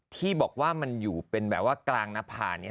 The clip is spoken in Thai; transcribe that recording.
ที่บอกว่ามันอยู่เป็นแบบว่ากลางนภาเนี่ย